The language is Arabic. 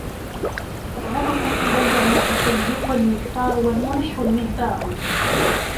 أَبْغَضُكُمْ إلَيَّ الْمُتَفَيْهِقُ الْمِكْثَارُ وَالْمُلِحُّ الْمِهْذَارُ